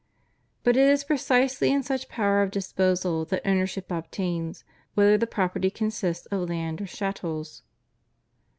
But it is precisely in such power of disposal that ownership obtains, whether the property consist of land or chattels.